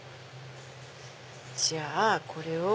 じゃあこれを。